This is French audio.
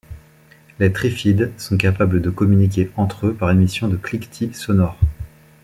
Les triffides sont capables de communiquer entre eux par émission de cliquetis sonores.